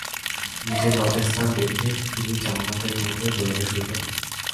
নিজের লজ্জাস্থান দেখে তিনি জান্নাতের মধ্যে দৌড়াতে শুরু করেন।